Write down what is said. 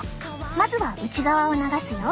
まずは内側を流すよ。